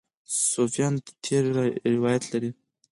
صوفیان تېر روایت لري.